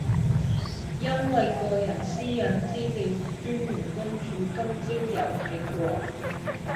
因為個人私隱資料專員公署今朝有提過